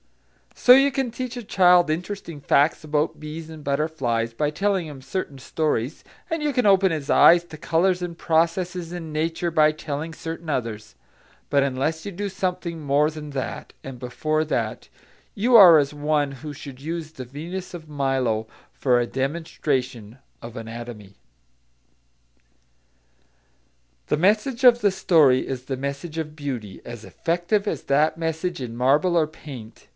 So, you can teach a child interesting facts about bees and butterflies by telling him certain stories, and you can open his eyes to colours and processes in nature by telling certain others; but unless you do something more than that and before that, you are as one who should use the Venus of Milo for a demonstration in anatomy. The message of the story is the message of beauty, as effective as that message in marble or paint.